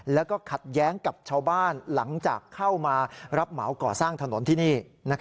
แล้วก็ขัดแย้งกับชาวบ้านหลังจากเข้ามารับเหมาก่อสร้างถนนที่นี่